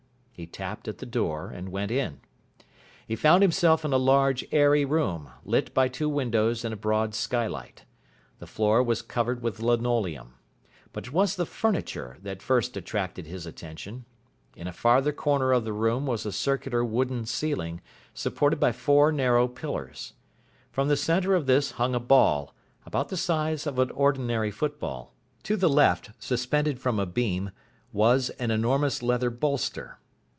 He tapped at the door and went in. He found himself in a large, airy room, lit by two windows and a broad skylight. The floor was covered with linoleum. But it was the furniture that first attracted his attention. In a farther corner of the room was a circular wooden ceiling, supported by four narrow pillars. From the centre of this hung a ball, about the size of an ordinary football. To the left, suspended from a beam, was an enormous leather bolster.